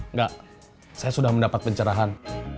enggak saya sudah mendapat pencerahan